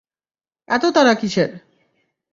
এত তাড়া কীসের?